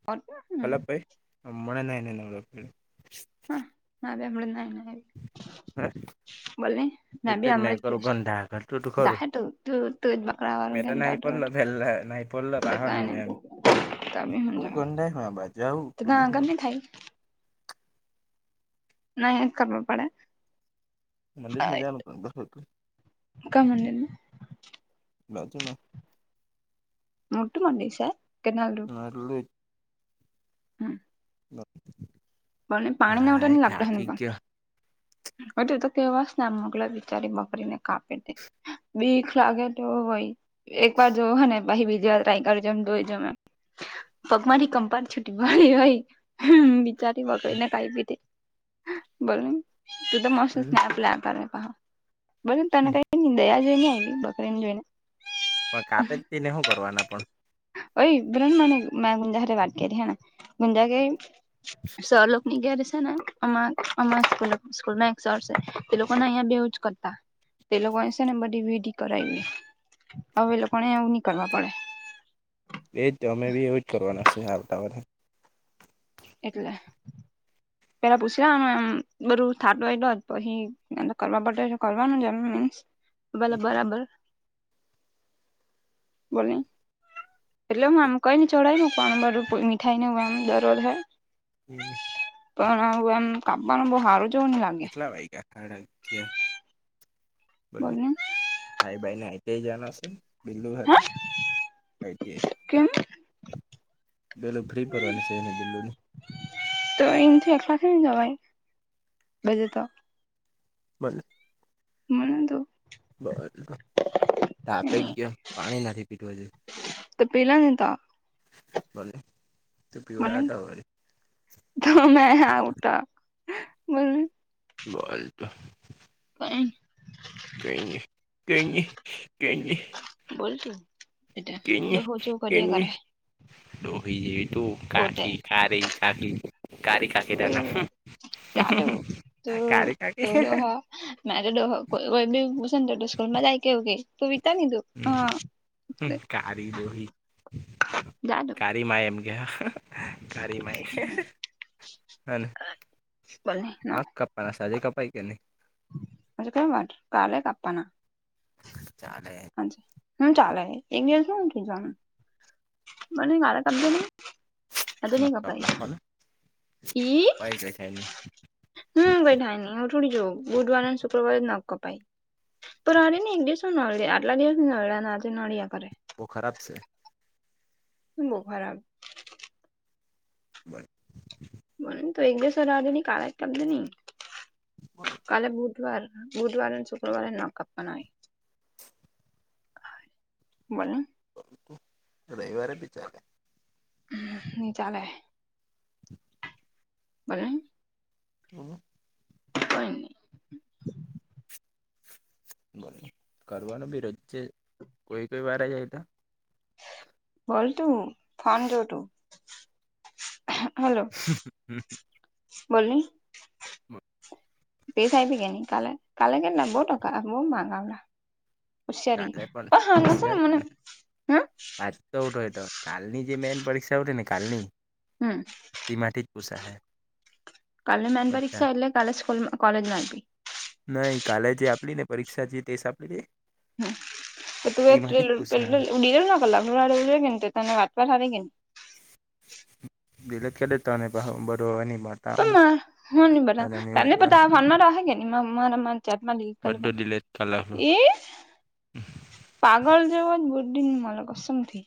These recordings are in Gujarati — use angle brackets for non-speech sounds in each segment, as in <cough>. <inaudible> <unintelligible> હા આવ્યા વૃંદાના ઘરે. હે. બોલને મે બી હમણાં જ ફેશ કરતું તું ખરું મેં તો નાહી પડલો પેલા નાહી પડલો પાહો નાહ્યો એમ પેલું ગંધાય આ બાજુ આવું <unintelligible> <unintelligible> <unintelligible> નય ખબર પડે. મંદિર માં જવાનું પણ હતું <unintelligible> <unintelligible> <unintelligible> <unintelligible> હમ. <unintelligible> મને પાણી ને હા વધાર એ નહીં લાગતો હને થાકી પણ. ગયો હું તો કેવા સ્નેપ મોકલસ બિચારી બકરી ને કાપે બીખ લાગે તો હોઈ એક વાર જો હ ને પછી બીજી વાર ટ્રાય કરજો એમ જોઈ ટ્રાય કરજો હૈ તોહી જમે. પગમાથી કંપન મારી છૂટી હોય. હમ્મ ભી ચારી વગર ને કઈ બી તે બોલને. તું તો મસ પણ સ્નેપલ એપાર બ તને કઈ દયા જોઈ ને આવી બકરે ને જોઈ ને. પણ કાપે જ ને કરવાના પણ ઓહી બ્રહ્મનું મે ગુંજા હરે વાટકે હેના ગુંજા કે સર લોકો ની ઘરે છે ને અમાં એમાં સ્કૂલમાં એક સર છે. તે લોકોને અહીં બેવું જ કરતા તે લોકો એ છે ને બધી વિધી કરાવી હવે લોકોને એવું નહી કરવા પડે. એજ તમે એવું કરવાના છે આવતા વર્હે. એટલે. પેલા પૂછ લવાનું એમ બધું થાટ એ પછી એમ કરવા પડે કરવાનું જમ હમ્મ. બોલો બરાબર બોલી એટલે હું આમ કોઈને ચોઢાયનેું ઉપ મઠાઈ નને ડરર હય. હમ્મ. પણ આવ આમ કાપવાનું બહુ હારું કેટલા વાગ્યા સાડા અગિયાર બોલને. હાઈ ભાઈ નાઈતે જના છે બિલુ હા ખાતે. સાઈતે કેમ પેલું ફ્રી ભરવાની છે એને દિલ્લલો ની. તો એમ તો એક પાસે જવાઈ બીજો તો. બોલ ને. મને તો <unintelligible> થાકી ગયો પાણી નથી પીધુ હજુ. તો પીલોને તો બોલને. તું બોલને પીવડાવતો હોય જો મેં આવ તો બોલને. બોલ તો. અહીં કઈ નહીં કઈ નહીં કઈ નહીં. બોલતે બેટા જો હોતિયો કર્યાં કરે. દોહી જે તું પોતે કાકી કારી કાકી કારી કાકી તો તને જાટો હમ્મ કારી કાકી છે. નારિયલ દોહો કોઈ કોઈ ભી મસ્ત જેને તો તો સ્કૂલમાં જાય કેવું કે તુંએ વિજ્ઞાન લીધું. હમ હા. કારી જા દો. કારીમાં એમ ગયા. કારી મેં હે હે ને બોલ ના નથ કપ પણ આ સાદે કપાએ કે નહીં? હ તો કંઈ વાત કાલે કાપવાના. ચાલે. હું ચાલે એક દિવસ હું થય જવાનું. <unintelligible> આતો ની કપ કાપાય. ઈ જે થાય ની. હમ કાઈ થાય નય હું થોડી જોવ બુધવારે અને શુક્રવારે જ નખ કપાય. પણ આ એક દિવસ નળે છે આટલા દિવસની નળ્યા આજે નળિયા કરે. બોવ ખરાબ છે. હું બોવ ખરાબ? <inaudible> પણ એક દિવસ રેવા નઈ કાઢે જ કાપજે ની. પણ કાલે બુધવાર બુધવારે અને શુક્રવારે નખ કાપવાના હોય. બોલ ને પરંતુ રવિવારે બી ચાલે. નય ચાલે. <inaudible> બોલો ને. તમે કઈ નય. કરવાનો બી રોજે જ કોઈ કોઈ વાર આય જાય તો પરંતુ <unintelligible> <inaudible> બોલ ને ટેસ્ટ આપી કે નય કાલે કાલે કેટલાક બોવ ટકા આયા બોલ માનવના કાલે પણ હોશિયાર કને <unintelligible> <unintelligible> કાલની જે મેન પરીક્ષા હતી ને કાલની હમ. તેમાંથી જ પૂછા હે. કાલેની મેન રિક્ષા એટલે કાલે સ્કૂલમાં કોલેજમાં હતી. નઈ કાલે જે આપેલી ને પરીક્ષા જે ટેસ આપી દે. હ તો તુંએ પૂછાય <unintelligible> <unintelligible> બધો એની માત. <unintelligible> બરા તને પણ તો આ ફોનમાં <unintelligible> કાલે આપણું એ પાગલ જેવો જ બુદ્ધિ નઈ મલે કસમથી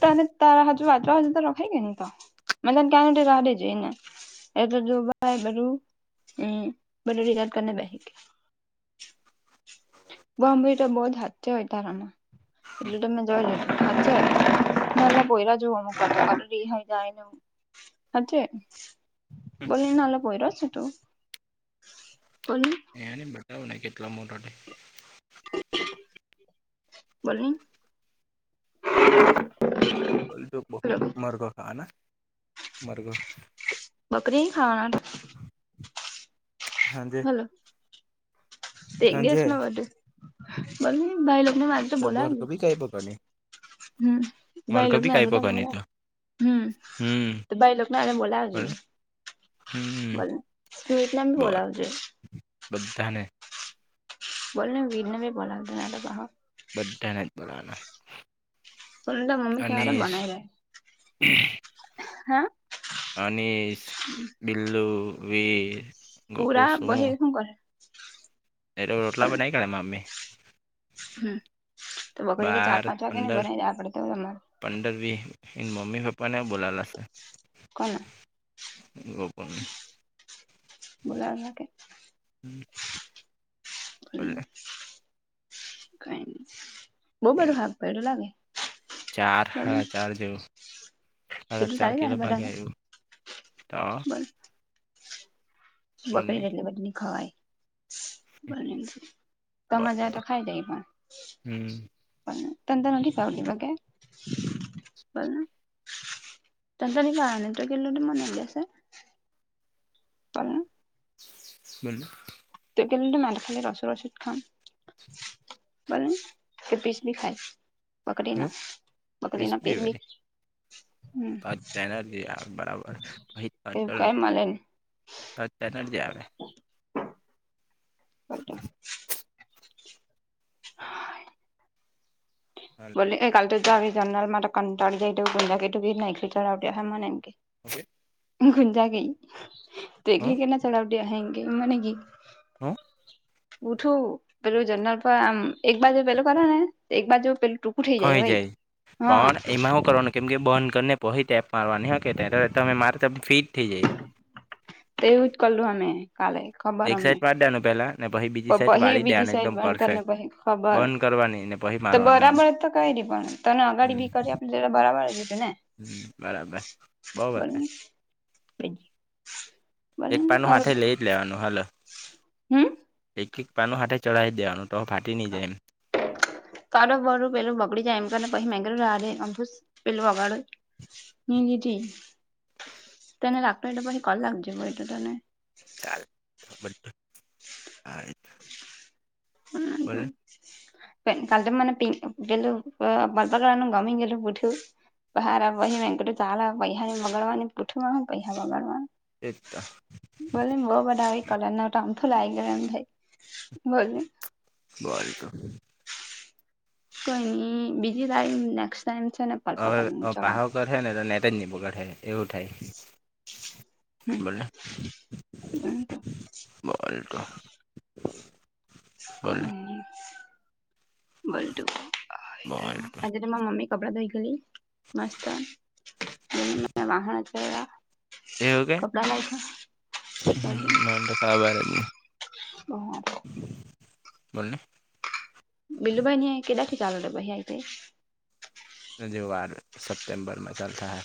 તને તારા તુ વાચવા હોય ત્યારે લખે કે ની તો મને તો ક્યાં રવા દેજે અહીંયા <unintelligible> હમ બધું રિચાર્જ કારીને બેહી ગઈ. <unintelligible> હોય તારામાં એટલું તો મેં જોયલું હ નાનલા પોયરા જેવું કરતો રિહાઈ જાય ને હાચી વાતને બોલને નાનલો પોયરો છે તું. બોલ ને. <unintelligible> બોલ ને બોલ તું બોલ મરઘો ખાના મરઘો? બકરી નઈ ખાવાના હાજે. હલો એક દિવસમાં બધે <unintelligible> <unintelligible> હમ મરઘો ભાઈલોગને બી કાઈ આજે તો પકડની <unintelligible> હમ હમ તો ભાઈ લોકોને આને બોલાવજે, હમ બોલને તું એકલા ને બોલ બોલાવજે, બધાને, બોલને વીર નો બી કોલ આવતો પાહો, બધાને બોલાના, તા મમ્મી કયારે બનાઈ રહે હા, અનીશ, બિલ્લું, વીર, ગોપુ પુરા સુમો પહી હું કર, એ તો રોટલા બનાઈ કરે મમ્મી, હમ તો બપોરે તો ચાર પાંચ વાગે ને બનાઈ જવા પડે ને તમારે, પંડરવી એન મમ્મી પાપાને બુલાલા છે. કોના, ગોપન, બોલાલા કે, <unintelligible> કઈ ની બોબધુ હાફ કયરુ લા મે, ચાર હાડા ચાર જેવો, સાડા તેટલું ચાર ચાલી જાહે કિલો ભાગે બધાને આયવુ તો, બગડી મને જાય એટલે બધી ની ખવાય. તમાર જે તો ખાઈ જાય એ હમ પણ, તનત નથી ભાવતું તો કે, તનત ની લેવાના તે કીઘલુ તો મને કેસે, તન, બોલની, <unintelligible> બીખાય બકરી ના બકરીના પેલી, ત તન જ આ બરાબર, એવું કઈ મલે <unintelligible> <unintelligible> હા, બોલી એ કાલે તો જાવી જર્નલ મા કંટાળી જાયું કે તું ના ચડ્યા હ મને એમ કે, <unintelligible> <unintelligible> મને કેઇ, હુ, ઉઠું પેલું જરનલ પર આમ એક બાજુ પેલું કરે ને એક બાજુ પેલ, ખોવાઈ જાય, પણ એમાં હું કર, કેમ કે બંધ કરીને પહી એપ મારવાની હો કે ત્યારે તમે મારે તમ ફિટ થઈ જાય. એવું જ કરેલું અમે, કાલે ખબર એક અમને સાઈડ મારી દેવાનું પેલા ને પછી પ બીજી સાઈડ પહી વાળી બીજી દેવાનું એકદમ સાઈડ બંધ કરી ને પરફેક્ટ પહી, ખબર બંધ કરવાની ને પછી તો મારવાનું એમ બરાબર તો કઈ રી પણ તને અગાડી હમ બી કરી આપલી, એ બરાબ જ ને, હમ બરાબર બો.. વ બને એક પાનું હાથે લઈ જ લેવાનું હાલ હમ એક-એક, પાનું હાથે ચઢાઈ જ દેવાનું તો ફાટી નિ જાય એમ, <inaudible> કાતો બધું પેલું બગડી જાય એમ કરીને પસી મે કરું રાદે અમથું પેલું વગાડ, હ જીજી તને લાગતું ઓયતો પછી કલ લાખ જે પહિ તો તને, ચાલ બધ આ <inaudible> પ કાલ તો મને પે પેલું બ બલપન નું ગમી ગેલુ પુઠું. પણ હારા પહિ મે કયરુ ચાલ અવે પૈહા ને મંગળવાર ને બુધવાર ને પૈહા ની બગાડવાની. એજ તો. બોલની બો બધા એ કલર ના ઉતા અમથું લાવાય ગીયુ એમ થાય, બોલની. ભારિકામ. કયની બીજી ટાઈમ નેક્સ્ટ ટાઈમ છે ને પર્પલ અવે કલરનું અવ ચડાવ પહું કરહે ને ત નેટ જ ની પકડ હે. એવું થાય. બોલને. બોલ તો. બોલને કયની બોલ તું આય તો બોલ આજ મારા મમ્મી કપડા ધોઈ ગયેલી મસ્ત વાહણા ચોયરા. એવું કે? મને તો ખબર જ ની. બોલની. બીલુ ભાઈની આય કેદાથી ચાલુ તો પહિ આઈ ટી આઈ? અજુ વાર સપ્ટેમબરમાં ચાલ થાહે.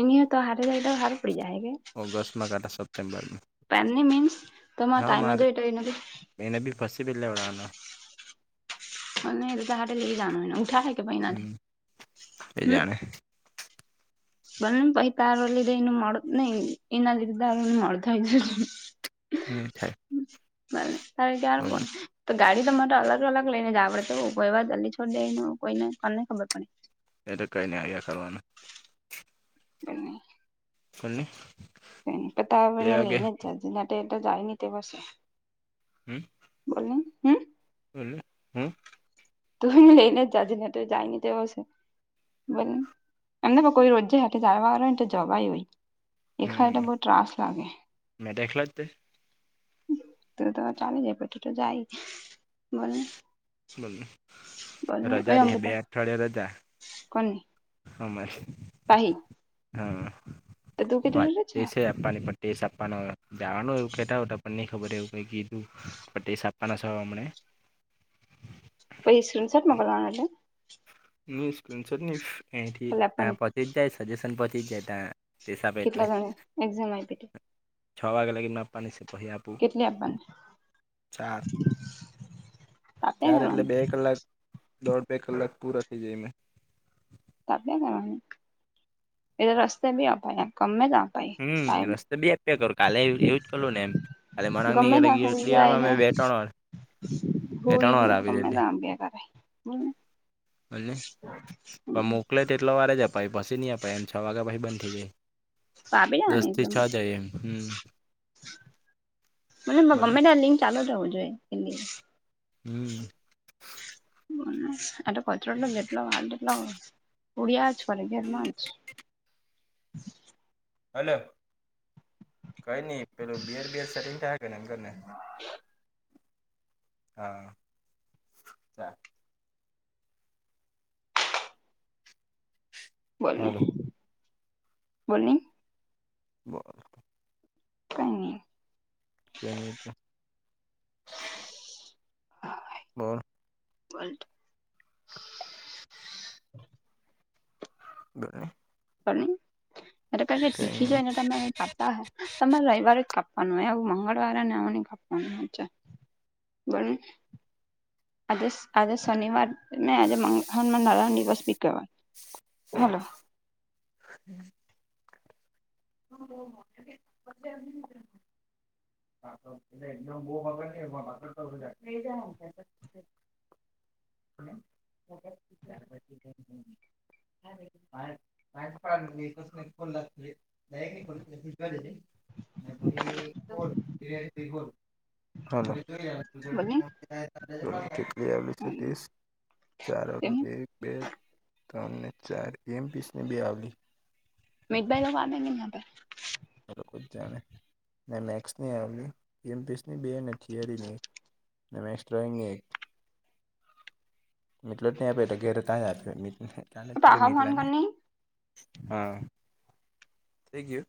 એની હેત હાતે રેય તો હારુ પડી જાહે કે? ઓગસ્ટ માં કાટા સપ્ટેમ્બર માં પેમની મીન્સ તમારે હા ટાઈમે જ મારે જોઈતું ઓય ત એને બી ફસ સીપ જ લેવડાવાનો. અને <unintelligible> લેય જાવાનું ઉઠા હૈ? હમ્મ, એ જાણે. બોલને પહિ તાર લીધે એનુ મોળું નઈ એના લીધે તારું ની મોળું થાય. ની થાય. બોલનું <unintelligible> તો ગાડી તમારે અલગ અલગ લઈને જાવા પડે તેવું કોઈ વાર જલ્દી છોડ દે ને એવું કોઈને કોને ખબર પડે. એ તો કઈ ની આવ્યા કરવાનું. બંને. ખોલની. પતાવી ને એને લેઈને જ જાજે નેટો એતો જાય ની તેવો સે. હમ્મ? બોલની, હમ્મ? બોલને, હું? તું એને લેઈને જ જાજે ને તો જાયની તેવો સે. બોલની એમની પણ કોઈ રોજે હાતે જાવા વારુ ઓય નેતો જવાય બી. એખલા તો હમ બો ત્રાસ લાગે. મેં તો એકલો જ તે તું તા ચાલી જાય પછી તો જાયજ. બોલની. બોલની, રજા દે હૈ બે અમૃતા અઠવાડિયા રજા. કોની? અમારી. પાહી? હા, તો તું વા કીધું તે સે પછી આપાની પણ ટેસ આપાનો. જવાનું એવું કેતા પણ નઈ ખબર એવું કઈ કીધું પણ ટેસ્ટ આપવાનો સે હમને. પહિ સ્ક્રીનશોટ મોકલવાનો ને? ખાલી આપણને <unintelligible> એટલે કેટલા જણા એ એક્ઝામ આપીતી છ વાગે લગીન આપવાની છે પહી આપું કેટલી આપવાની ચાર આપ્યા ચાર એટલે બે કલાક દોડ બે કલાક પૂરા થઇ જાય એમને આપ્યા કરવાની એ તો રસ્તે આપાય ગમે તે હમ રસ્તે બી અપ્યા કરું કાલે એવું જ કરું ન <unintelligible> ત્રણ વાર હોયને બે ત્રણ ગમે વાર આપી દીધી ત્યાં આપીયા કરાય હને પણ મોકલે તેટલો વાર જ અપાય પછી નહી અપાય છ વાગ્યા પશી બંધ થઈ જાય તો આપી દસ દેવાની થી છ એક્ઝામ જાય એમ મને બોલને ગમે તા લિંક ચાલુ જવું જોઈએ કે હમ <unintelligible> <unintelligible> હલો કઈ નહી પેલું બિર બિર <unintelligible> હા ચાલ બોલને હાલો બોલને <unintelligible> કય ની <unintelligible> બોલ <unintelligible> <unintelligible> <unintelligible> બોલને ખબર નહી <unintelligible> કઈ નઈ તમારે રવિવારે જ કાપવાનું હોય આવું મંગળવારે ને આવું ની કાપવાનું હોય છે બોલને આજે આજે શનિવારને આજે મગ હનુમાન દાદાનો દિવસ બી કેવાય હલો હ <unintelligible> <unintelligible> <unintelligible> <unintelligible> <unintelligible> <unintelligible> હાલો બોલને કેટલી આવેલી છે <unintelligible> ત્રણ ને ચાર એમ પીસ ને બે આવેલી મીત ભાઈનુ હાલેને <unintelligible> <unintelligible> <unintelligible> ડ્રોઈગે એટલો જ નહી આપે તો ઘેરે ત્યાં જ આપ ત પાહા ફોન મીટલા નને <inaudible> કરની હા થય ગિયું